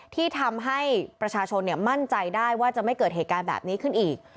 ที่ทำให้ประชาชนมั่นใจได้ว่าจะไม่เกิดเหตุการณ์แบบนี้ขึ้นอีก